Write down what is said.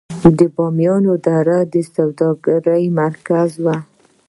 د بامیان دره د سوداګرۍ مرکز و